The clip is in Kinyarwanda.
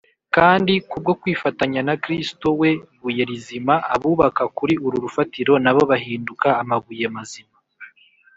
kandi kubwo kwifatanya na kristo, we buye rizima, abubaka kuri uru rufatiro nabo bahinduka amabuye mazima